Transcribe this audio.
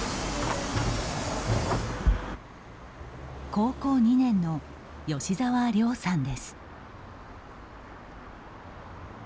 高校２年の吉沢涼さんです。